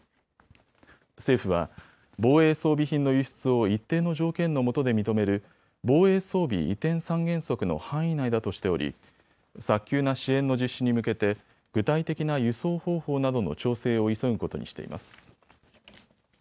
政府は防衛装備品の輸出を一定の条件のもとで認める防衛装備移転三原則の範囲内だとしており、早急な支援の実施に向けて具体的な輸送方法などの調整を急ぐことにしています。